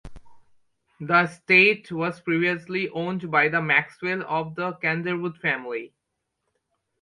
The estate was previously owned by the Maxwell of Calderwood family.